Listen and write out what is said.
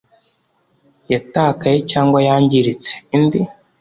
yatakaye cyangwa yangiritse indi